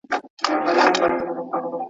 د خوار ملا په اذان څوک روژه نه ماتوي.